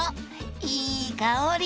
いい香り。